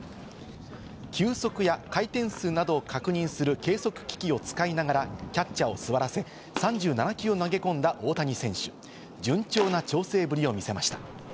球速や回転数などを確認する計測機器を使いながら、キャッチャーを座らせ、３７球を投げ込んだ大谷選手、順調な調整ぶりを見せました。